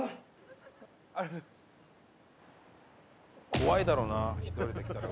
怖いだろうな１人で来たら。